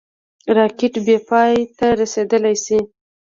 راکټ بېپای ته رسېدلای شي